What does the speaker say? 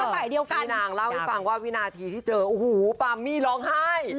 พี่นางล่าวให้ฟังว่าวินาทีที่เจอปามมริร้องไห้